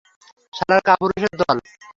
শালার কাপুরুষের দল!